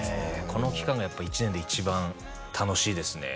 この期間がやっぱ１年で一番楽しいですね